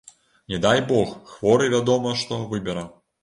Не дай бог, хворы вядома што, выбера.